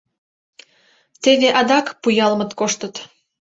— Теве адак Пуялмыт коштыт.